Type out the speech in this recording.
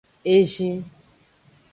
Ezi.